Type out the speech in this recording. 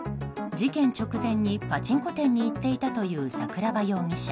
事件直前にパチンコ店に行っていたという桜庭容疑者。